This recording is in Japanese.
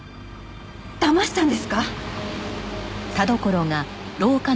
だましたんですか！？